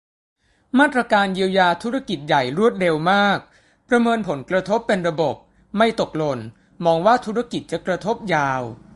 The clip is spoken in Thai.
มาตรการเยียวยาธุรกิจใหญ่รวดเร็วมาก ประเมินผลกระทบเป็นระบบ ไม่ตกหล่น มองว่าธุรกิจจะกระทบยาว